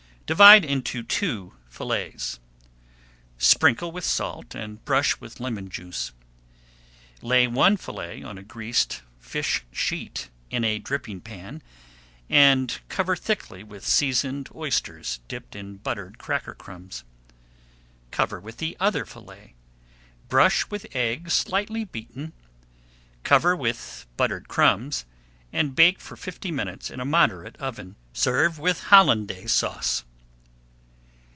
Divide into two fillets. Sprinkle with salt and brush with lemon juice. Lay one fillet on a greased fish sheet in a dripping pan, and cover thickly with seasoned oysters dipped in buttered cracker crumbs. Cover with the other fillet, brush with egg slightly beaten, cover with buttered crumbs, and bake for fifty minutes in a moderate oven. Serve with Hollandaise Sauce.